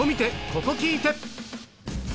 ここ聴いて！